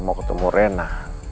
mau ketemu rena